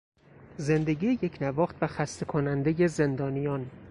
زندگی یکنواخت و خسته کنندهی زندانیان